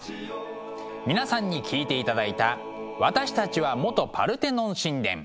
皆さんに聴いていただいた「私たちは元パルテノン神殿」。